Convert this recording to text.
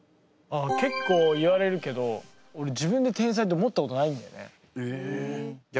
けっこう言われるけどおれ自分で天才って思ったことないんだよね。